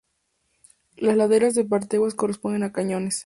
Las laderas del parteaguas corresponden a cañones.